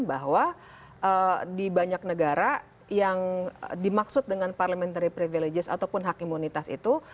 bahwa di banyak negara yang dimaksud dengan parliamentary privileges ataupun hak imunitas itu